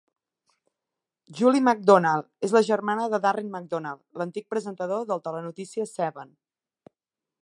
Julie McDonald és la germana de Darren McDonald, l'antic presentador del telenotícies Seven.